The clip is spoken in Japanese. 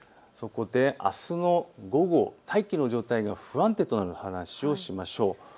あすの午後、大気の状態が不安定となる話をしましょう。